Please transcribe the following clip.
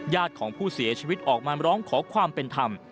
ญาติของผู้เสียชีวิตออกมาร้องขอความเป็นธรรม